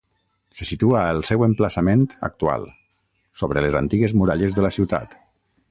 Se situa al seu emplaçament actual, sobre les antigues muralles de la ciutat.